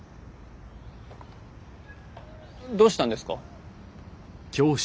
どうしたんですか？